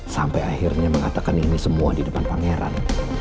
sampai akhirnya mengatakan ini semua di depan pangeran